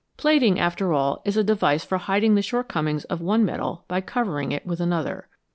Plating, after all, is a device for hiding the short comings of one metal by covering it with another.